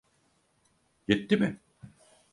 Yetti mi?